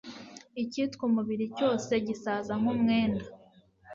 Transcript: icyitwa umubiri cyose gisaza nk'umwenda